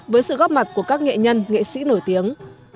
với sự góp mặt của các nghệ nhân nghệ sĩ nổi tiếng